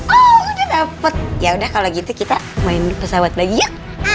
oh udah dapet yaudah kalau gitu kita main pesawat lagi yuk